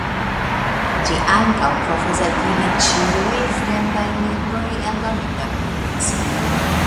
Ĝi ankaŭ provas akiri ĉiuj fremdaj libroj eldonita pri Meksiko.